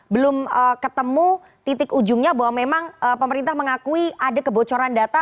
belum ketemu titik ujungnya bahwa memang pemerintah mengakui ada kebocoran data